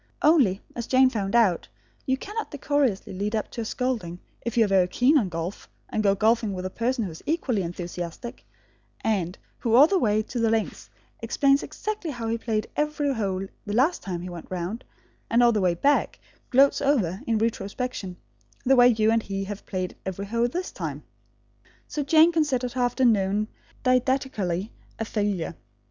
Only, as Jane found out, you cannot decorously lead up to a scolding if you are very keen on golf, and go golfing with a person who is equally enthusiastic, and who all the way to the links explains exactly how he played every hole the last time he went round, and all the way back gloats over, in retrospection, the way you and he have played every hole this time. So Jane considered her afternoon, didactically, a failure.